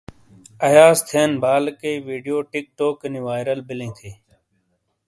ایاز تھین بالیکئی ویڈیو ٹِک ٹوکینی وائرل بیلی تھئی